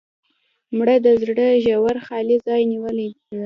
مړه د زړه ژور خالي ځای نیولې ده